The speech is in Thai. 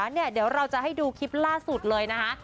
เดี๋ยวเราจะให้ดูคลิปล่าสุดเลยนะคะ